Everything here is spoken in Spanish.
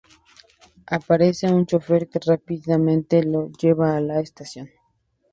Aparece un chófer que rápidamente lo lleva a la estación.